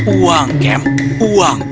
uang kem uang